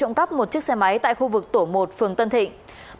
hành vi trộm cắp một chiếc xe máy tại khu vực tổ một phường tân thịnh